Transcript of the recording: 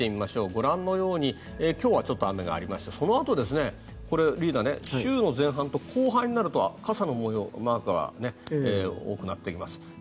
ご覧のように今日はちょっと雨がありましてそのあとこれはリーダー週の前半から後半になると傘のマークが多くなってきます。